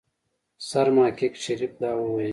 سرمحقق شريف دا وويل.